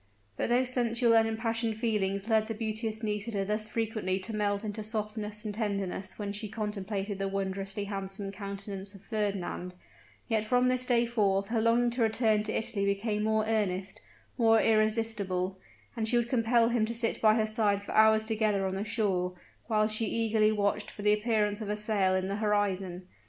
But though sensual and impassioned feelings led the beauteous Nisida thus frequently to melt into softness and tenderness when she contemplated the wondrously handsome countenance of Fernand, yet from this day forth her longing to return to Italy became more earnest more irresistible; and she would compel him to sit by her side for hours together on the shore, while she eagerly watched for the appearance of a sail in the horizon.